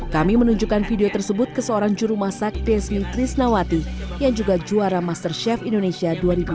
kami menunjukkan video tersebut ke seorang juru masak psmi krisnawati yang juga juara masterchef indonesia dua ribu dua belas